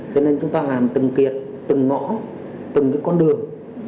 cho nên chúng ta làm từng kiệt từng ngõ từng con đường